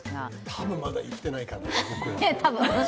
多分まだ生きてないかなと。